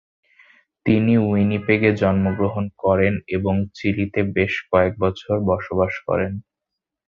তিনি উইনিপেগে জন্মগ্রহণ করেন এবং চিলিতে বেশ কয়েক বছর বসবাস করেন।